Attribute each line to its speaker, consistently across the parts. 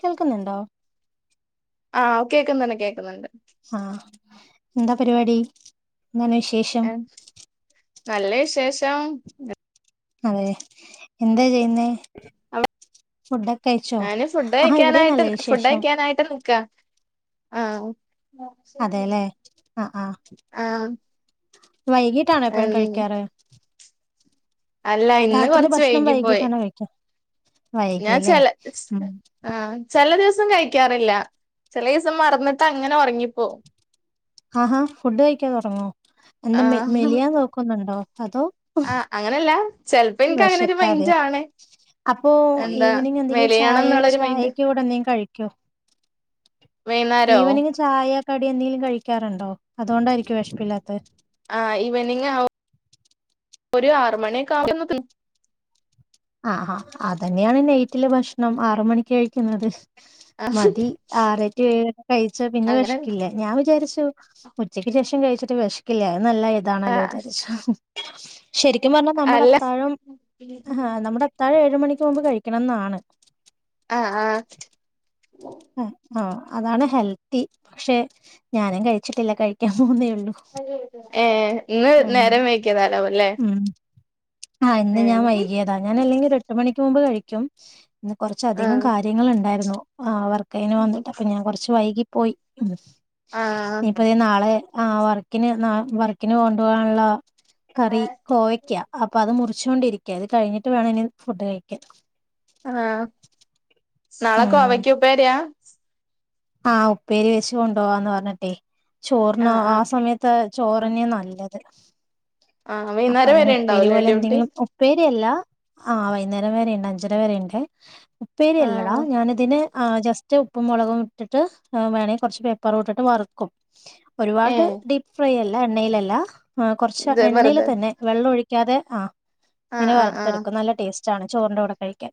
Speaker 1: കേൾക്കുന്ന്ണ്ടോ
Speaker 2: ആഹ് കേക്കുന്നുണ്ട് കേക്കുന്നുണ്ട്
Speaker 1: ആഹ് എന്താ പരിപാടി എന്താണ് വിശേഷം
Speaker 2: ആൻ നല്ല വിശേഷം [unintelligible]
Speaker 1: അതെ എന്താ ചെയ്യുന്നേ
Speaker 2: അവ്
Speaker 1: ഫുഡൊക്കെ കഴിച്ചോ
Speaker 2: ഞാന് ഫുഡ്
Speaker 1: ആഹ് ഇവിടെയും
Speaker 2: കഴിക്കാനായിട്ട്
Speaker 1: നല്ല
Speaker 2: ഫുഡ്
Speaker 1: വിശേഷം
Speaker 2: കഴിക്കാനായിട്ട് നിക്കാ ആഹ്
Speaker 1: അതെല്ലേ അ ആഹ്
Speaker 2: ആഹ് ഉം
Speaker 1: വൈകീട്ടാണോ എപ്പഴും കഴിക്കാറ്
Speaker 2: അല്ല ഇന്ന്
Speaker 1: രാത്രിയിലെ
Speaker 2: കൊറച്ച്
Speaker 1: ഭക്ഷണം
Speaker 2: വൈകി പോയി
Speaker 1: വൈകീട്ടാണോ കഴിക്കാ
Speaker 2: ഞാൻ
Speaker 1: വൈകിയല്ലേ
Speaker 2: ചെല
Speaker 1: ഉം
Speaker 2: ആഹ് ചെല ദിവസം കഴിക്കാറ് ഇല്ല ചെലീസം മറന്നിട്ട് അങ്ങനെ ഒറങ്ങിപ്പോവും
Speaker 1: ആഹാ ഫുഡ് കഴിക്കാതുറങ്ങോ എന്താ മെ
Speaker 2: ആഹ്
Speaker 1: മെലിയാൻ നോക്കുന്നുണ്ടോ അതോ
Speaker 2: ആഹ് അങ്ങനല്ല ചെലപ്പോ എനിക്ക് അങ്ങനെ ഒരു
Speaker 1: വെശക്കാതേ
Speaker 2: മൈൻഡ് ആണ്
Speaker 1: അപ്പൊ
Speaker 2: എന്താ
Speaker 1: ഈവനിങ് എന്തെങ്കിലും
Speaker 2: മെലിയണം
Speaker 1: ചായ
Speaker 2: എന്നുള്ളൊരു മൈൻഡ്
Speaker 1: ചായക്ക് കൂടെ എന്തെങ്കിലും കഴിക്കോ?
Speaker 2: വൈന്നേരോ
Speaker 1: ഈവനിങ്ങ് ചായ കടിയെന്തെങ്കലും കഴിക്കാറുണ്ടോ? അതുകൊണ്ടായിരിക്കും വെശപ്പില്ലാത്ത
Speaker 2: ആഹ് ഈവനിങ് ആവും ഒരു ആറ് മണിയൊക്ക ആവു
Speaker 1: ആഹ് ആഹ് അതന്നെയാണ് നൈറ്റിലെ ഭക്ഷണം ആറ് മണിക്ക് കഴിക്കുന്നത്.
Speaker 2: ആ,
Speaker 1: മതി ആറേ ടു ഏഴക്ക കഴിച്ച പിന്നെ
Speaker 2: അങ്ങനെ
Speaker 1: വെശക്കില്ല ഞാൻ വിചാരിച്ചു ഉച്ചക്ക് ശേഷം കഴി ച്ചിട്ട് വിശക്കില്ലെ നല്ല ഇതാണല്ലോ
Speaker 2: ആഹ്
Speaker 1: വിചാരിച്ചു [inaudible] ശരിക്കും പറഞ്ഞാൽ നമ്മുടെ
Speaker 2: അല്ല
Speaker 1: അത്താഴം അഹാ നമ്മുടെ അത്താഴം ഏഴ് ഴ് മണിക്കാവുമ്പൊ കഴിക്കണംന്നാണ്
Speaker 2: ആഹ് ആ
Speaker 1: അ ആഹ് അതാണ് ഹെൽത്തി പക്ഷെ ഞാനും കഴിച്ചിട്ടില്ല കഴിക്കാൻ പോകുന്നേള്
Speaker 2: അതെ അതെ ഏ ഇന്ന് നേരം വൈകിയതാലാവുല്ലേ
Speaker 1: ഉം ആഹ് ഇന്ന് ഞാൻ വൈകിയതാ ഞാൻ അല്ലെങ്കിൽ എട്ട് മണിക്ക് മുൻപ് കഴി ചം ഇന്ന് കുറച്ച അധികം
Speaker 2: ആഹ്
Speaker 1: കാര്യങ്ങൾ ഉണ്ടായിരുന്നു ആ അവർ ക്കഴിഞ്ഞു വന്നിട്ട് അപ്പൊ ഞാൻ കുറച്ച് വൈകി പോയി
Speaker 2: ആഹ്
Speaker 1: ഇനിപ്പൊ ഇതേ നാളെ ആ വർക്കിന് നാ വ വർക്കിന്ന് കൊണ്ടു പോകാനുള്ള കറി കോവയ്ക്ക അപ്പൊ അത് മുറി ച്ചോണ്ടിരിക്ക അത് കഴിഞ്ഞിട്ട് വേണം ഇനി ഫുഡ് കഴിക്കാൻ
Speaker 2: ആ നാളെ കോവയ്ക്ക് ഉപ്പേര്യാ
Speaker 1: ആഹ് ഉപ്പേരി വെച്ച് കൊണ്ടുപോവാന്ന് പറഞ്ഞിട്ടേ ചോറിന് ആ
Speaker 2: ആഹ്
Speaker 1: ആ
Speaker 2: ആഹ്
Speaker 1: സമയത്ത് ചോറന്യ നല്ലത് [inaudible]
Speaker 2: ആ വൈകുന്നേരം വരെ ഉണ്ടാവല്ലേ ഡ്യൂട്ടി
Speaker 1: രിയല്ല ആ വൈകുന്നേരം വര ഉണ്ട് അഞ്ചര വരെ ഉണ്ട് ഉപ്പേരി അല്ലടാ
Speaker 2: ആഹ്
Speaker 1: ഞാനിതിന് ആ ജസ്റ്റ് ഉപ്പും മുളകും ഇട്ടിട്ട് വേണമെങ്കിൽ കുറച്ച് പേപ്പറും ഇട്ടിട്ട് വറുക്കും ഒരുപാട്
Speaker 2: ഏഹ്
Speaker 1: ഡീപ് ഫ്ര അല്ല എണ്ണയിലല്ല
Speaker 2: ഇത്
Speaker 1: എണ്ണയിൽ
Speaker 2: വെറുതെ
Speaker 1: തന്നെ വെള്ളൊഴി പിക്കാതെ ആ
Speaker 2: ആഹ്
Speaker 1: ഇങ്ങനെ
Speaker 2: ആഹ് ആഹ്
Speaker 1: വറുത്തെടുക്കും നല്ല ടേസ്റ്റ് ച്ചാണ്ണ് ചോറിൻ്റെ കൂടെ കഴിക്കാൻ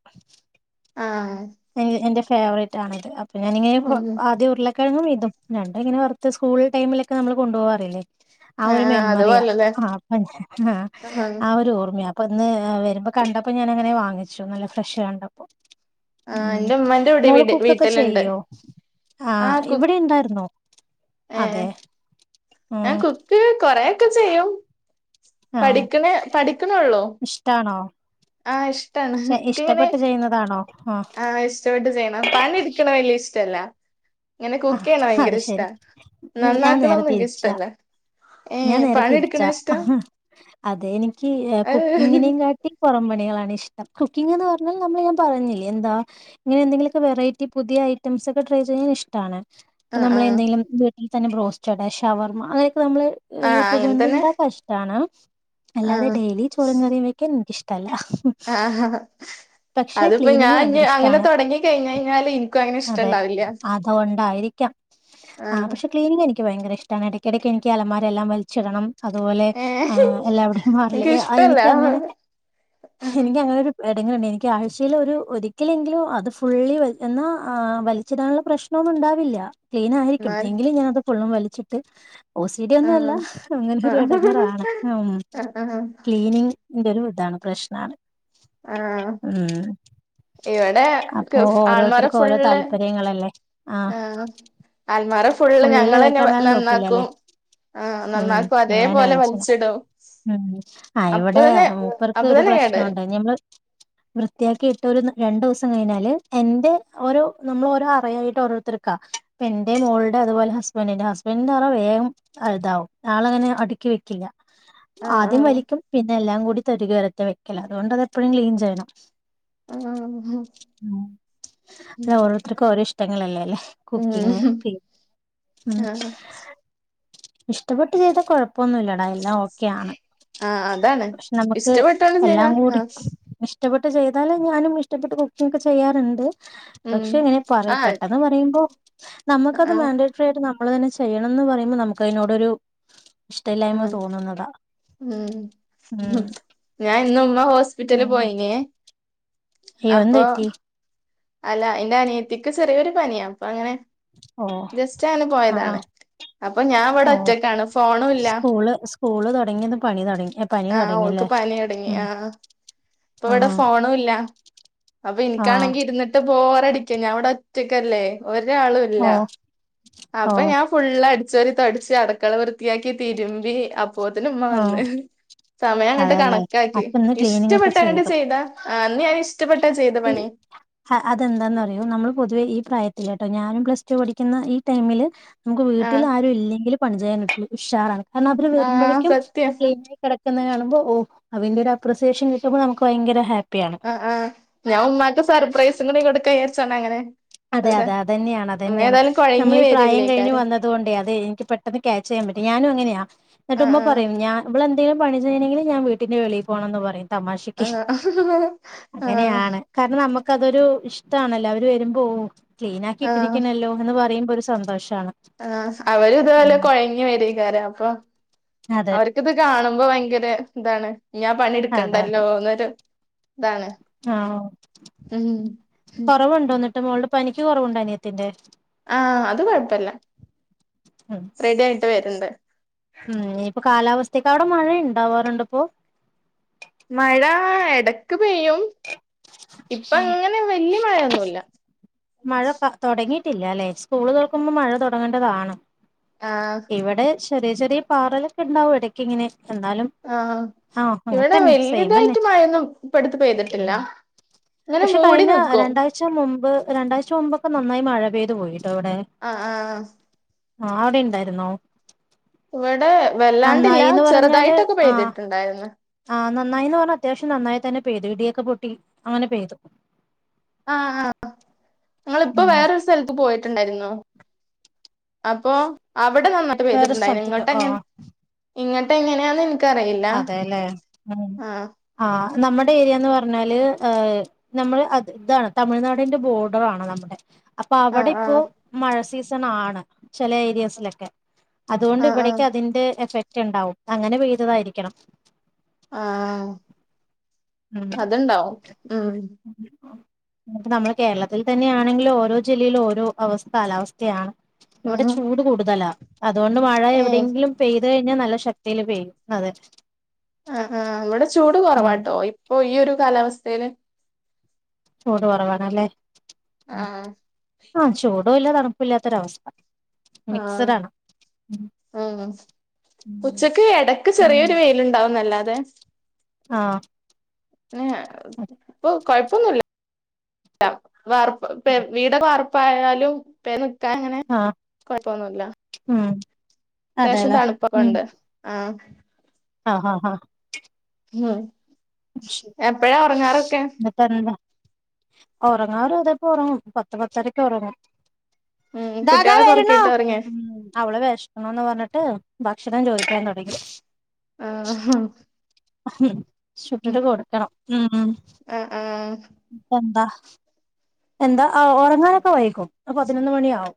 Speaker 2: ആഹ്
Speaker 1: എ എന്റെ ഫ് ഫേവറേറ്റ് ആണിത് അപ്പ പ്പം ഞാനിങ്ങനെ
Speaker 2: ഉം
Speaker 1: ആദ്യം ഉർളക് കെഴങ്ങും ഇതും രണ്ടുമിങ്ങനെ വറുത്ത് സ്കൂൾ ടൈമിലൊക്കെ നമ്മള് കൊണ്ടുപോകാറില്ലേ ആ
Speaker 2: ആഹ്
Speaker 1: ഒരു
Speaker 2: ആഹ്
Speaker 1: മെമ്മറിയാ
Speaker 2: അതുപോലല്ലേ
Speaker 1: ആ ആഹ് അവര് ഓർക് ഞാപ്പം ഇന്ന് വരുമ്പോ കണ്ടപ്പോ ഞാനങ്ങനെ വാങ്ങിച്ചു നല്ല ഫ്രഷ് കണ്ടപ്പോ
Speaker 2: ആഹ്
Speaker 1: ഉം
Speaker 2: എന്റെ ഉമ്മന്റെ ഇവിടെ
Speaker 1: മോള്
Speaker 2: വീട്
Speaker 1: കുക്ക് ഒക്കെ
Speaker 2: വീട്ടിലുണ്ട്
Speaker 1: ചെയ്യോ ആഹ് ഇവിടെ ഇണ്ടായിരുന്നോ
Speaker 2: ആഹ്
Speaker 1: അതെ
Speaker 2: ആ
Speaker 1: ഉം
Speaker 2: കുക്ക് കൊറേ ക്കെ ചെയ്യും
Speaker 1: ആ
Speaker 2: പഠിക്കണേ പഠിക്കണോള്ളോ
Speaker 1: ഇഷ്ടാണോ
Speaker 2: ആഹ് ഇഷ്ടാണ് എനിക്കിങ്ങനെ
Speaker 1: ഇഷ്ടപ്പെട്ട് ചെയ്യുന്നതാണോ
Speaker 2: ആ ഇഷ്ടപെട്ട് ചെയ്യണം പണിയെടുക്കണ വല്യ ഇഷ് റ്റല്ല
Speaker 1: ആ അത് ശരി ഞാൻ നേരെ
Speaker 2: നന്നാക്കണൊന്നും എനിക്ക്
Speaker 1: തിരിച്ചാ
Speaker 2: ഇഷ്ടല്ല
Speaker 1: ഞാൻ
Speaker 2: ഏഹ്
Speaker 1: നേരെ
Speaker 2: പണിയെടുക്കണ
Speaker 1: തിരിച്ചാ
Speaker 2: ഇഷ്ടാ
Speaker 1: അഹ് അതെ എനിക്ക്
Speaker 2: ആഹ്
Speaker 1: കുക്കിങ്ങിനേ കാട്ടീം പുറംപണി കളാണ് ഇഷ്ടം കുക്കിങ്ങ്ന്ന് പറഞ്ഞാൽ നമ്മൾ ഞാൻ പറഞ്ഞില്ലേ എന്താ ഇങ്ങനെ എന്തെങ്കിലും ഒക്കെ വെറൈറ്റി പുതിയ ഐറ്റംസ് ഒക്കെ ട്രൈ ചെയ്യാൻ ഇഷ് ട്ടാണ് ഇപ്പം നമ്മള്
Speaker 2: ആഹ്
Speaker 1: എന്തെങ്കിലും വീട്ടിൽ തന്നെ ബ്രോസ്റ്റഡ് ഷവർമ്മ അങ്ങ ഇപ്പ നമ്മള്
Speaker 2: ആഹ്
Speaker 1: യൂട്യൂബ്
Speaker 2: അങ്ങനെ
Speaker 1: കണ്ട്
Speaker 2: തന്നെ
Speaker 1: ഇണ്ടാക്കാന് ഇഷ്ടാണ് അല്ലാതെ
Speaker 2: ആഹ്
Speaker 1: ഡെയിലി ചോറും കറീം വയ്ക്കാൻ എനിക്ക് ഇഷ് ട്ടല്ല
Speaker 2: ആഹ് അതിപ്പോ
Speaker 1: ക്ലീനിങ്
Speaker 2: ഞാൻ ഇനി
Speaker 1: ഭയങ്കര
Speaker 2: അങ്ങനെ
Speaker 1: ഇഷ്ടാണ്.
Speaker 2: തൊടങ്ങി കഴിഞ്ഞ് കഴിഞ്ഞാല് ഇനിക്കു അങ്ങനെ ഇഷ്ടം ഇണ്ടാവില്ല
Speaker 1: ഒണ്ടായിരിക്കാം ആ പക്ഷെ ക്ലീനിംഗ് എനിക് എനിക്ക് ഭയങ്കര ഇഷ്ടാണ് ഇടക്കിടക്ക് എനിക്ക് അലമാരയെല്ലാം വലിച്ചിടണം അതുപോലെ ആ
Speaker 2: ഏഹ്
Speaker 1: എല്ലാവിടെയും മാറില്ലേ
Speaker 2: എനിക്ക്
Speaker 1: ആഹ്
Speaker 2: ഇഷ്ടല്ല
Speaker 1: എനിക്കങ്ങനെ
Speaker 2: ആ,
Speaker 1: എനിക്കങ്ങനെ ഒരു എങ്ങനുണ്ട് എനിക്ക് ആഴ്ചയിൽ ഒരു ഒരിക്കലെങ്കിലും അത് ഫുള്ളി വലി എന്നാ ആഹ് വലിച്ചിടാനുള്ള പ്രശ് നൊന്നും ഉണ്ടാവില്ല ക്ലീൻ ആയിരിക്കും
Speaker 2: എന്നാലും
Speaker 1: എങ്കിലും ഞാനത് ഫുള്ളും വലിച്ച് [unintelligible] ഓസിടി ഒന്നും അല്ല
Speaker 2: ആഹ്
Speaker 1: അങ്ങനെ ഒരു ഇടങ്ങേറ് ആണ് ഉം
Speaker 2: ആഹ് ആഹ്
Speaker 1: ക്ലീനിങ് ന്റെ ഒരു ഇതാണ് പ്രശ്നാണ്
Speaker 2: ആ
Speaker 1: ഉം
Speaker 2: ഇവിടെ
Speaker 1: അപ്പൊ
Speaker 2: [unintelligible] അലമാര
Speaker 1: ഓരോരുത്തർക്കും ഓരോ
Speaker 2: ഫുള്ള്
Speaker 1: താല്പര്യങ്ങളല്ലേ ആഹ്
Speaker 2: ആ അലമാര ഫുള്ള് ഞങ്ങൾ തന്നെ
Speaker 1: കണാൻ നോക്കില്ല
Speaker 2: നന്നാക്കും
Speaker 1: അല്ലേ
Speaker 2: ആ
Speaker 1: ഉം
Speaker 2: നന്നാക്കും
Speaker 1: നിങ്ങളന്നെ
Speaker 2: അതേപോലെ വലിച്ചിടും
Speaker 1: ഉം ആഹ്
Speaker 2: അപ്പൊ
Speaker 1: ഇവിടെ
Speaker 2: തന്നെ
Speaker 1: മൂപ്പർക്ക്
Speaker 2: അപ്പൊ
Speaker 1: ഒരു
Speaker 2: തന്നെ കേട്
Speaker 1: പ്രശ്നമുണ്ട് ഞമ്മള് വൃത്തിയാക്കിയിട്ട് ഒരു രണ്ടു ദിവസം കഴിഞ്ഞാല് എന്റെ ഓരോ നമ്മൾ ഓരോ അറിയായി ഓരോരുത്തർക്കാ ഇപ്പൊ എന്റെ മോളുടെ അതുപോലെ ഹസ്ബൻഡിന്റെ ഹസ്ബൻഡിന്റെറ അറ വേഗം ഇതാവും ആളങ്ങനെ അടുക്കി വെക്കില്ല
Speaker 2: ആ ആ
Speaker 1: ആദ്യം വലിക്കും പിന്നെ എല്ലാം കൂടി [unintelligible] വെക്കല അതുകൊണ്ട് അത് എപ്പോഴും ക്ലീൻ ചെയ്യണം
Speaker 2: ആ
Speaker 1: മ് ഒരേതർക്കും ഒരേ ഇഷ ടങ്ങളല്ലേ കുക്കിങ്
Speaker 2: ഉം
Speaker 1: പീ ഉം
Speaker 2: ആ
Speaker 1: ഇഷ്ടപ്പെട്ട് ചെയ്താ കൊഴ പ്പയൊന്നുമില്ലടാ എല്ലാം ഓക്കെയാണ്
Speaker 2: ആ അതാണ്
Speaker 1: പക്ഷെ നമുക്ക്
Speaker 2: ഇഷ്ടപ്പെട്ടോണ്ട്
Speaker 1: എല്ലാം
Speaker 2: ചെയ്താ
Speaker 1: കൂടി
Speaker 2: ആ
Speaker 1: ചെ ഇഷ്ടപ്പെട്ട് ചെയ്താലു ഞാനും ഇഷ്ടപ്പെട്ട് കുക്കിങ് ചെയ്യാറുണ്ട്
Speaker 2: ഉം
Speaker 1: പക്ഷെ ഞ പ
Speaker 2: ആ
Speaker 1: പെട്ടെന്ന് പറയുമ്പോ
Speaker 2: ആ
Speaker 1: നമുക്കത്
Speaker 2: ആ
Speaker 1: മൻട്രി ഫയോട് നാം നമ്മള് തന്നെ ചെയ്യണം എന്ന് പറയുമ്പോ നമുക്ക്തിനോടൊരു
Speaker 2: ഉം ഉം ഹ്
Speaker 1: ഉം
Speaker 2: ഞാൻ ഇന്ന് ഉമ്മ ഹോസ്പിറ്റല് പോയിന്
Speaker 1: യോ എന്ത് പറ്റി
Speaker 2: അല്ല എന്റെ അനിയത്തിക്ക് ചെറിയൊരു പനി അപ്പൊ അങ്ങനെ
Speaker 1: ഓ
Speaker 2: ജസ്റ്റ് ന
Speaker 1: ആ ആ
Speaker 2: പോയതാണ് അപ്പൊ ഞാൻ ഇവിടെ ഒറ്റക്കാണ് ഫോണുല്ല
Speaker 1: സ്‌കുള് തുടങ്ങിയതും പനി തുടങ്ങി പനി
Speaker 2: ആ ഓൾക്ക്
Speaker 1: തുടങ്ങില്ലേ
Speaker 2: പനി തുടങ്ങി
Speaker 1: ഉം
Speaker 2: ആ ഇപ്പൊ
Speaker 1: ആ
Speaker 2: ഇവിടെ ഫോണുയില്ല ഇല്ല അപ്പൊ
Speaker 1: ആ
Speaker 2: എനിക്കാണെങ്കി ഇരുന്നിട്ട് ബോ റടിക്ക ഞാൻ ഇവിടെ ഒറ്റയ്ക്കല്ലേ ഒരാളും ഇല്ല
Speaker 1: ഓ ഓ
Speaker 2: അപ്പൊ ഞാൻ ഫുള് അടിച്ച വരി അടക്കള വൃത്തിയാക്കി തിരുമ്പി അപ്പ് അപോത്തിന് ഉമ്മ
Speaker 1: ഓ
Speaker 2: വന്ന് സമയം അങ്ങോട്ട്
Speaker 1: അതെല്ലേ
Speaker 2: കണക്കാക്കി
Speaker 1: അപ്പൊ ഇന്ന്
Speaker 2: ഇഷ്ടപ്പെട്ട അങ്ങട്ട് ചെയ്താ അന്ന് ഞാൻ ഇഷ്ടപ്പെട്ടാ ചെയ്ത
Speaker 1: ഈ
Speaker 2: പണി
Speaker 1: അതെന്താന്ന്റിയോ നമ്മൾ പൊതുവെ ഈ പ്രായത്തില്ട്ടോ ഞാനും പ്ലസ് ടു പഠിക്കുന്ന ഈ ടൈമില് നമുക്ക്
Speaker 2: ആ
Speaker 1: വീട്ടിൽ ആരും ഇല്ലെങ്കിൽ പണി ചെയ്യാൻ ഉഷാ എന്നാ പിന്നെ
Speaker 2: ആ
Speaker 1: വരുമ്പഴേക്കും
Speaker 2: സത്യം
Speaker 1: ക്ലീൻ നായികിട് ക്ന്നെ കാണുമ്പൊ ഒ അതിൻ്റെ ഒരു അപ്രിസിയേഷൻ കിട്ടുമ്പോ നമ്മുക്ക് ഭയങ്കര ഹാ പ്പിയാണ്
Speaker 2: ആ ആ ഞാൻ ഉമ്മാക്ക് സർപ്രൈും കൂടി കൊടുക്കാജാരിച്ച അങ്ങനെ
Speaker 1: അതെ
Speaker 2: വെറുതെ
Speaker 1: അതെ അത് തന്നെയാണ് അത്
Speaker 2: ഉമ്മ
Speaker 1: തന്നെയാണ്
Speaker 2: ഏതായാലും കൊഴങ്ങി
Speaker 1: നമ്മള് ഈ പ്രായം കഴിഞ്ഞ്
Speaker 2: വരല്ലേക്കാരം
Speaker 1: വന്നത്കൊണ്ടേ അതേ എനിക്ക് പെട്ടെന്ന് ക്യാച്ച് ചെയ്യാൻ പറ്റും ഞാനും ഇങ്ങനെയാ എന്നിട്ട്
Speaker 2: ആ
Speaker 1: ഉുമ്മ
Speaker 2: ആ
Speaker 1: പറയും ഞാ ഇവള് എ ന്തെങ്കിലും പണി ചെയ്യണെങ്കിൽ ഞൻ വീട്ടിന്ന് വെളി പോകണെന്ന് പറയും തമാശക്ക്
Speaker 2: ആഹ് ആഹ്
Speaker 1: അതൊരു ഇഷ്ടമാണല്ലോ അവര് വരു ഓ ക്ലീൻ ആക്കിയിട്ടിരിക്കണല്ലോ എന്ന് പറയും ഒരു സന്തോഷം
Speaker 2: ആ അവര് ഇതുപോലെ കൊഴഞ്ഞ് വര് കാര അപ്പം
Speaker 1: അതെ
Speaker 2: അവർക്കിത് കാണുമ്പോ ഭയങ്കര ന്താണ് ഞാൻ
Speaker 1: അതെ അതെ
Speaker 2: പണിടുക്കണ്ടല്ലോന്നൊരു
Speaker 1: ആഹ് കൊറവുണ്ടോന്ന് ട്ട് മോളുടെ പനിക്ക് കുറവുണ്ടോ അനിയത്തിന്റെ
Speaker 2: ആഹ് അത് കൊഴപ്പല്ല
Speaker 1: ഉം
Speaker 2: റെഡി ആയിട്ട് വര്ണ്ട്
Speaker 1: ഉം ഇനിയിപ്പോ കാലാവസ്ഥക്ക് അവിടെ മഴ ഇണ്ടാവാറുണ്ട് ഇപ്പോ
Speaker 2: ആ എടക്ക് പെയ്യും ഇപ്പ അങ്ങനെ വല്യ മഴയൊന്നുമില്ല
Speaker 1: മഴ പ തുടങ്ങി ട്ടില്ലല്ലേ സ്കൂള് തൊറക്കുമ്പോൾ മഴ തുടങ്ങേണ്ടതാണ്
Speaker 2: ആഹ്
Speaker 1: ഇവിടെ ചെറിയ ചെറിയ പാറലൊക്കെ ഉണ്ടാവും ഇടക്ക് ഇങ്ങനെ എന്നാലും
Speaker 2: ആഹ്
Speaker 1: ആഹ് അങ്ങനെ
Speaker 2: ഇവിടെ
Speaker 1: തന്നെ സെയിമന്നെ
Speaker 2: വലതായിട്ട് മഴൊന്നും പടുത്ത് പെയ്തിട്ടില്ല
Speaker 1: ഉം
Speaker 2: അങ്ങനെ മൂടി നിക്കും
Speaker 1: രണ്ടാഴചുമ്പൊക്ക നന്നായി മഴ പെയ്തു പോയി
Speaker 2: ആ ആ ആഹ്
Speaker 1: ആഹ് അവിടെ ഉണ്ടായിരുന്നോ
Speaker 2: ഇവിടെ വെല്ലാണ്ടില്ല ചെറുതായിട്ടൊക്കെ പെയ്തിട്ടുണ്ടായിരുന്ന്
Speaker 1: ആ നന്നായിന്ന് പറഞ്ഞ അത്യാവശ്യം നന്നായി തന്നെ പെയ്തു ഇടിയൊക്കെ പൊട്ടി അങ്ങനെ പെയ്തു
Speaker 2: ആഹ് ആഹ് ങ്ങളിപ്പോ
Speaker 1: ഉം
Speaker 2: വേറൊരു സ്ഥലത്ത് പോയി ട്ടുണ്ടായിരുന്നു അപ്പോ അപ് അവിടെ നന്നായിട്ട്
Speaker 1: വേറെ
Speaker 2: പെയ്തിട്ടുണ്ടായി
Speaker 1: സ്ഥലത്തേക്ക്
Speaker 2: ഇങ്ങോട്ട്
Speaker 1: ഓ
Speaker 2: എങ്ങനെ ഇങ്ങട്ട് എങ്ങനെയാണ് ഇൻ-
Speaker 1: അതെല്ലേ ഉം ആ നമ്മുടെ ഏരിയന്ന് പറഞ്ഞാല് നമ്മള് അത് ഇതാണ് തമിഴ്നാടിന്റെ ബോർഡർ ആണ് നമ്മുടെ അപ്പൊ അവിടെ
Speaker 2: ആഹ്
Speaker 1: ഇപ്പോ
Speaker 2: ആഹ്
Speaker 1: മഴ സീസ്ൺ - നാടാ ചില ഏരിയസിലൊക്കെ അതുകൊണ്ട്
Speaker 2: ആഹ്
Speaker 1: ഇവിടേക്ക്
Speaker 2: ആഹ്
Speaker 1: അതിന്റെ എഫക് ഇല്ല ക്കിണ്ടാവും അങ്ങനെെ പെയ്തതാരിക്കും ക്കണം
Speaker 2: ആ
Speaker 1: ഉം
Speaker 2: അതുണ്ടാവും ഉം
Speaker 1: നമ്മളുടെ കേരളത്തിൽ തന്നെയാണെങ്കില് ഓരോ ജില്ലയിലും ഓരോ കാലാവസ്ഥയാണ്. ഇവിടെ
Speaker 2: ആഹാ
Speaker 1: ചൂട് കൂടുതലാ അതുകൊണ്ട് മഴ
Speaker 2: ഏഹ്
Speaker 1: എവിടെെങ്കിലും പെയ് അത് കഴിഞ്ഞ നല്ല ശക്തിയില് പെയ്യും
Speaker 2: ആ ആ ഇവിടെ ചൂട് കുറവാട്ടോ ഇപ്പ് ഓ ഈ ഒരു കാലാവസ്ഥയില്-
Speaker 1: ചൂട് കുറവണല്ലേ?
Speaker 2: ആ
Speaker 1: ചൂടും ഇല്ല തണപ്പില്ലാത്തൊരവസ്ഥ
Speaker 2: ആ ആ ഉച്ചക്ക് ഇടക്ക് ചെറിയൊരു വെയിലുണ്ടാവുന്നല്ലാതെ- പേസ്
Speaker 1: ആഹ്
Speaker 2: [unintelligible] ന്
Speaker 1: അതെ
Speaker 2: ഇപ്പൊ കൊഴ് [inaudible] വാർപ്പ് പ്പെ വീട് വാർ ഇപ്പായാലും പേന്ന്- നിക്കങ്ങനെ
Speaker 1: ആഹ്
Speaker 2: കുഴപ്പൊന്നുല്ല
Speaker 1: ഉം
Speaker 2: അത്യാവശ്യം
Speaker 1: അതെല്ലേ
Speaker 2: തണുപ്പൊക്കെണ്ട് ആഹ-
Speaker 1: ഹാ ഹ ഹ
Speaker 2: ങ്ങ് എപ്പഴാ ഉറങ്ങാറൊക്കെ
Speaker 1: ഉറങ്ങാറു അതെ തിപ്പോ ഉറങ്ങും പത്ത് പത്തരക്ക് ഉറങ്ങും
Speaker 2: ഉം
Speaker 1: ദാദാ
Speaker 2: കുട്ടികളൊക്കെ
Speaker 1: വരണു
Speaker 2: ഉറക്കിയിട്ടാ ഉറങ്ങിയേ
Speaker 1: അവള വെശക്കുണൂന്ന് പറഞ്ഞിട്ട് ഭക്ഷണം ചോദിക്കാൻ തൊടങ്ങി
Speaker 2: ആ ഹ
Speaker 1: അഹ് ചുട്ടിട്ട് കൊടുക്കണം ഉം ഉം
Speaker 2: ആഹ് ആഹ്
Speaker 1: ഇപ്പെന്താ എന്താ അ ഒറങ്ങാനൊക്കെ വൈകും ഒര് പതിനൊന്ന് മണിയാവും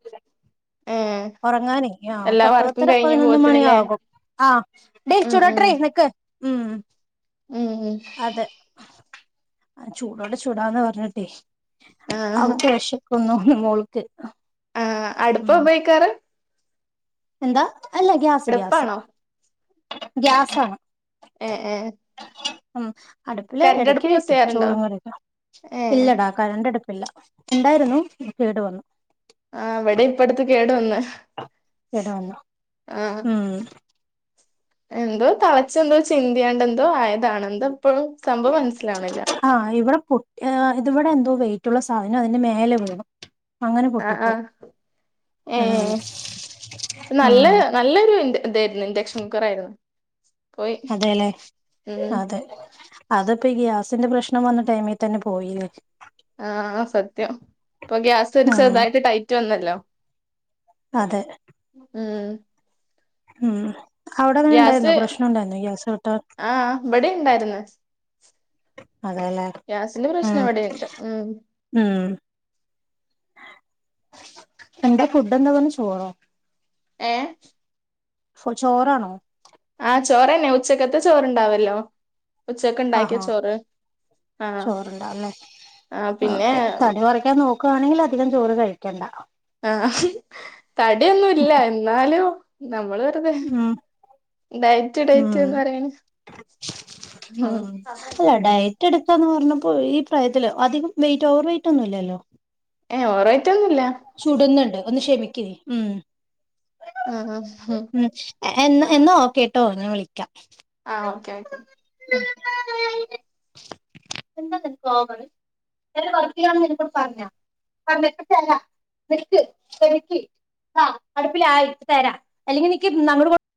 Speaker 2: ഏഹ്
Speaker 1: ഒറങ്ങാനെ ആ
Speaker 2: എല്ലാ
Speaker 1: പത്ത്
Speaker 2: വർക്കും
Speaker 1: പത്തര
Speaker 2: കഴിഞ്ഞു
Speaker 1: പതിനൊന്ന് മണി
Speaker 2: പോത്തിനില്ലേ
Speaker 1: ആകും ആ ഡി
Speaker 2: ഉം ഉം
Speaker 1: ചുടെട്ടെടീ നിക്ക് ഉം
Speaker 2: ഉം ഉം
Speaker 1: അതെ ആ ചൂടോടെ ചൂടാന്ന് പറഞ്ഞിട്ടേ അവക്ക് വെശക്കുന്നു. മോൾക്ക്
Speaker 2: ആ അടുപ്പാ
Speaker 1: ഉം
Speaker 2: ഉപയോഗിക്കാറ്.
Speaker 1: എന്താ അല്ല ഗ്യാസ് ഗ്യാസ്
Speaker 2: അടുപ്പാണോ
Speaker 1: ഗ്യാസാണ്
Speaker 2: ഏ ഏ
Speaker 1: ഉം അടുപ്പിൽ എടക്ക് വെക്കും
Speaker 2: ചെയ്യാറുണ്ടോ
Speaker 1: ചോറും കറിയൊക്കെ
Speaker 2: ഏഹ്
Speaker 1: ഇല്ലടാ കറന്റ് ‌അടു ല്ല ഉണ്ടായിരുന്നു കേടു വന്നു
Speaker 2: ആഹ് ഇവിടെ ഇപ്പ അടുത്ത് കേട് വന്ന്
Speaker 1: കേടുവന്നു
Speaker 2: ആഹ്
Speaker 1: ഉം
Speaker 2: എന്തോ തളച്ചെന്തോ ചിന്തിയാണ്ട് എന്തോ ആയതാണ് എന്ത ഇപ്പളും സംഭവം മനസ്സിലാവ്ണില്ല
Speaker 1: പൊട്ടിയെതാ ഇവടെ എന്തോ വെയിറ്റുള്ള സാധനം അതിന്റെ മേലെ വീണു. അങ്ങനെ
Speaker 2: ആ ആ
Speaker 1: പൊട്ടിപ്പോയി
Speaker 2: ഏ
Speaker 1: ഉം ഉം
Speaker 2: നല്ല നല്ലൊരു ഇന്റ ഇതെയിരുന്നു ഇൻഡക്ഷൻ കുക്കറായിരുന്നു.
Speaker 1: അതെലെ
Speaker 2: ഉം
Speaker 1: അതെ അതാപ്പം ഗ്യാ ന്റെ പ്രശ്നം വന്ന ടൈമി തന്നെ പോയിന്ന്-
Speaker 2: ആ സത്യം ഇപ്പം ഗ്യാസ് ഒരു
Speaker 1: ഉം
Speaker 2: ചെറുതായിട്ട് ടൈറ്റ് വന്നല്ലോ?
Speaker 1: അതെ-
Speaker 2: ഉം-
Speaker 1: ഉം- അവിടങ്ങനെ
Speaker 2: ഗ്യാസ്
Speaker 1: ഇണ്ടായിരുന്നോ പ്രശ്നം ഉണ്ടായിരുന്നോ ഗ്യാസ് കിട്ടാ
Speaker 2: ആഹ് ഇവിടെ ഇണ്ടായിരുന്നു
Speaker 1: അതെലെ
Speaker 2: ഗ്യാസിന്റെ
Speaker 1: ഉം
Speaker 2: പ്രശ്നം ഇവിടെയുണ്ട് ഉം
Speaker 1: ഉം എന്താ ഫുഡ് എന്താ പറഞ്ഞെ ചോറോ?
Speaker 2: ഏ?
Speaker 1: ചോറാണോ?
Speaker 2: ആ ചോറന്നെ ഉച്ചക്കത്തെ ചോറ്ണ്ടാവല്ലോ.
Speaker 1: ആ ഹാ
Speaker 2: ആഹ്
Speaker 1: ചോറുണ്ടാവുംലെ.
Speaker 2: ആഹ് പിന്നെ
Speaker 1: ഓക്കെ തടി കൊറക്കാൻ നോ ക്കുവാണെങ്കിൽ അധികം ചോറ് കഴിക്കണ്ട.
Speaker 2: ആ തടിയൊന്നും ഇല്ല ഇന്നാലും. നമ്മള്
Speaker 1: ഉം
Speaker 2: ഡയറ്റ്
Speaker 1: ഉം
Speaker 2: ഡയറ്റ്ന്ന് പറയും
Speaker 1: പ പ്പോ ഈ പ്രായത്തില അധികം വെയിറ്റ് ഓവർ വെയിറ്റ് ഒന്നും ഇല്ലല്ലോ.
Speaker 2: ഏ ഓവർവെ
Speaker 1: ചുടുന്നുണ്ട്. ഒന്ന് ക്ഷമിക്കി ഉം.
Speaker 2: ആഹ് ആഹ് ഹാ.
Speaker 1: എന്ന എന്നോ ഓകേ ട്ടോ ഞാൻ വിളിക്കാം.
Speaker 2: ആ ഓക്കെ ക്കെ.
Speaker 1: [inaudible] ഞാൻ ഒരു വർക്കിലാണ് നിന്നോട് പറഞ്ഞോ. പറഞ്ഞോ. [unintelligible] അടുപ്പിലായി. ഇപ്പോ തരാ. അല്ലെങ്കി നിക്കി